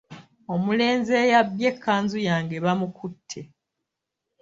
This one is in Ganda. Omulenzi eyabbye ekkanzu yange bamukutte.